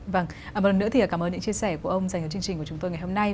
vâng một lần nữa thì cảm ơn những chia sẻ của ông dành cho chương trình của chúng tôi ngày hôm nay